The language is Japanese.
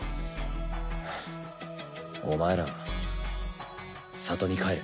お前らは里に帰れ。